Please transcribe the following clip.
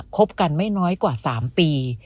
คบกันไม่น้อยกว่า๓ปี